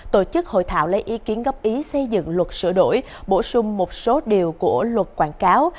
tổ chức hội thảo lấy ý kiến góp ý xây dựng luật sửa đổi bổ sung một số điều của luật quảng cáo